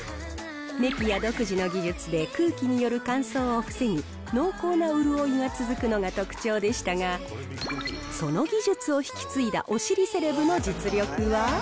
ネピア独自の技術で空気による乾燥を防ぎ、濃厚な潤いが続くのが特徴でしたが、その技術を引き継いだおしりセレブの実力は？